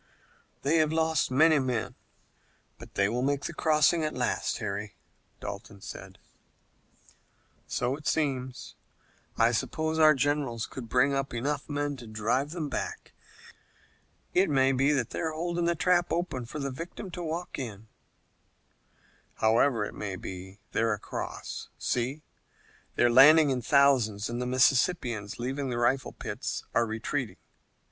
"They have lost many men, but they will make the crossing at last, Harry," said Dalton. "So it seems," said Harry. "I suppose our generals could bring up enough men to drive them back, but it looks as if they don't want to do it." "It may be that they're holding the trap open for the victim to walk in." "However it may be, they're across. See, they're landing in thousands, and the Mississippians, leaving their rifle pits, are retreating.